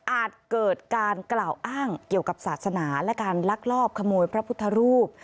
เกิดการกล่าวอ้างเกี่ยวกับศาสนาและการลักลอบขโมยพระพุทธรูป